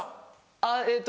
あっえっと。